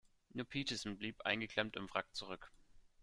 Nur Peterson blieb eingeklemmt im Wrack zurück.